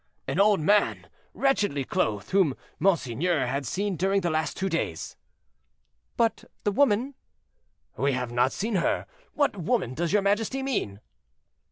"An old man, wretchedly clothed, whom monseigneur has seen during the last two days." "But the woman—" "We have not seen her—what woman does your majesty mean?"